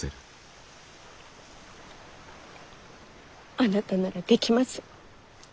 あなたならできます。